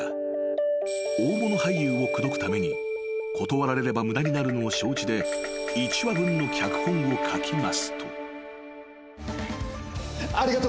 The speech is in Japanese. ［大物俳優を口説くために断られれば無駄になるのを承知で１話分の脚本を書きますと］